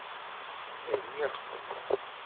Rniɣ-ken.